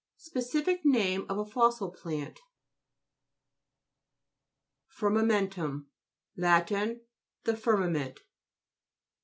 Speci fic name of a fossil plant FIRMAMK'XTUM Lat. The firma ment.